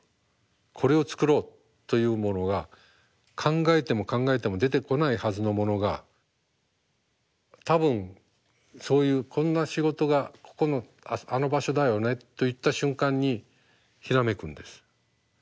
これを作ろうというものが考えても考えても出てこないはずのものが「多分そういうこんな仕事がここのあの場所だよね」と言った瞬間にひらめくんです。